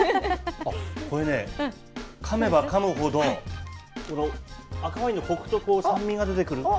これね、かめばかむほど、この赤ワインのこくと酸味が出てくる。